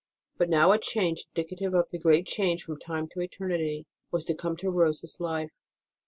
But now a change, indicative of the great change from time to eternity, was to come in Rose s life.